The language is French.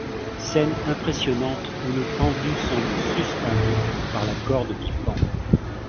Scène impressionnante où le pendu semble suspendu par la corde qui pend.